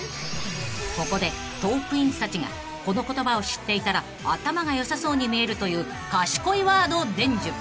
［ここでトークィーンズたちがこの言葉を知っていたら頭が良さそうに見えるという賢いワードを伝授］